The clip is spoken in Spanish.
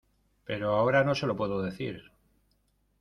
pero ahora no se lo puedo decir